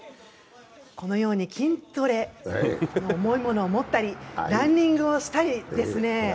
このように筋トレ、重いものを持ったり、ランニングをしたりですね。